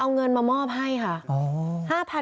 เอาเงินมามอบให้ค่ะ